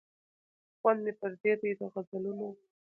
خوند مي پردی دی د غزلونو